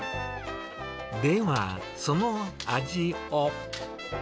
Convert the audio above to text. では、その味を。